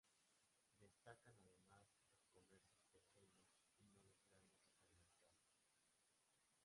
Destacan además los comercios pequeños y no los grandes supermercados.